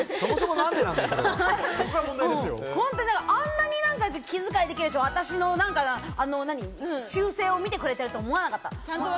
でも、あんなに気づかいができるし、私の習性を見てくれていると思わなかった。